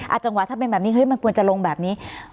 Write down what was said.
จังหวะถ้าเป็นแบบนี้เฮ้ยมันควรจะลงแบบนี้